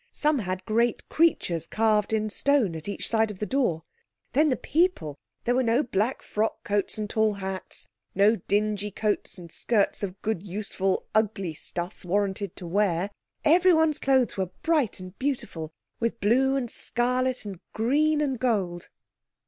Some had great creatures carved in stone at each side of the door. Then the people—there were no black frock coats and tall hats; no dingy coats and skirts of good, useful, ugly stuffs warranted to wear. Everyone's clothes were bright and beautiful with blue and scarlet and green and gold.